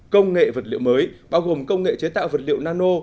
công nghệ vật liệu mới bao gồm công nghệ chế tạo vật liệu nano